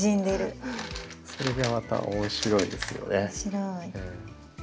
それがまた面白いですよね。